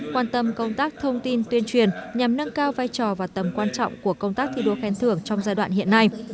quan tâm công tác thông tin tuyên truyền nhằm nâng cao vai trò và tầm quan trọng của công tác thi đua khen thưởng trong giai đoạn hiện nay